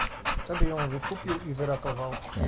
"Wtedy ją wykupił i wyratował."